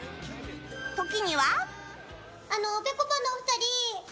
時には。